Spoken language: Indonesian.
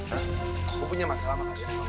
aku punya masalah sama kalian